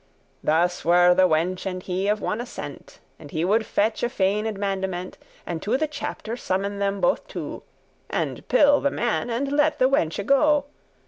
Thus were the wench and he of one assent; And he would fetch a feigned mandement, And to the chapter summon them both two, And pill* the man, and let the wenche go.